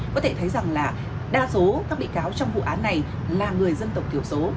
có thể thấy rằng là đa số các bị cáo trong vụ án này là người dân tộc thiểu số